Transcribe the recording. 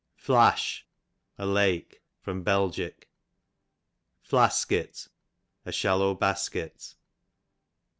Flash, a lake. Bel. Flasket, a shallow basket.